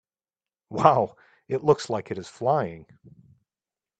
Wow! It looks like it is flying!